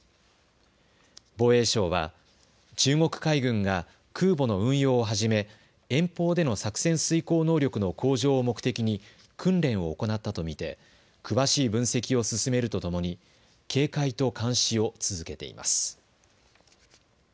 防衛省は中国海軍が空母の運用をはじめ遠方での作戦遂行能力の向上を目的に訓練を行ったと見て詳しい分析を進めるとともに警戒と監視を続けています。